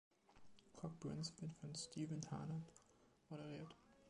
CogPrints wird von Stevan Harnad moderiert.